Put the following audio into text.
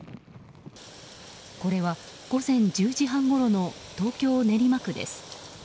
これは、午前１０時半ごろの東京・練馬区です。